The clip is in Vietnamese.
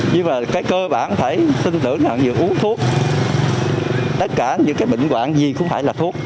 nhưng mà cái cơ bản phải tin tưởng là về uống thuốc tất cả những cái bệnh quạng gì không phải là thuốc